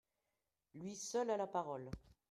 Lui seul a la parole.